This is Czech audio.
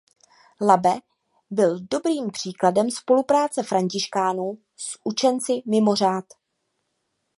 Labe byl dobrým příkladem spolupráce františkánů s učenci mimo řád.